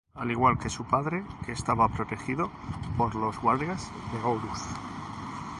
Al igual que su padre, que estaba protegido por los guardias de Horus.